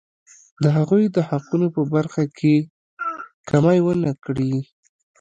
د هغوی د حقونو په برخه کې کمی ونه کړي.